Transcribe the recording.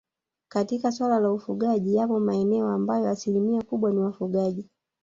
Katika maswala ya ufugaji yapo maeneo ambayo asilimia kubwa ni wafugaji